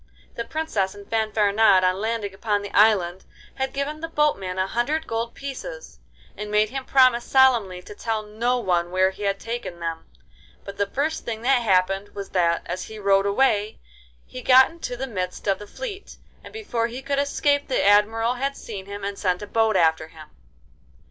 The Princess and Fanfaronade on landing upon the island had given the boatman a hundred gold pieces, and made him promise solemnly to tell no one where he had taken them; but the first thing that happened was that, as he rowed away, he got into the midst of the fleet, and before he could escape the Admiral had seen him and sent a boat after him.